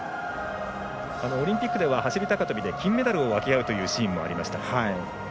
オリンピックでは走り高跳びで金メダルを分け合うというシーンもありました。